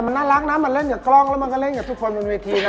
มันน่ารักนะมันเล่นกับกล้องแล้วมันก็เล่นกับทุกคนบนเวทีนะ